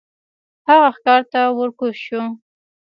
هغه ښکار ته ور کوز شو.